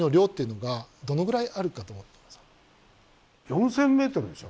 ４，０００ｍでしょ？